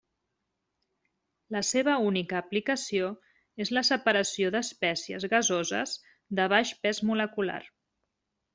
La seva única aplicació és la separació d'espècies gasoses de baix pes molecular.